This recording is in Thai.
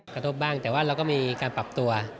กระทบบ้างแต่ว่าเราก็มีการปรับตัว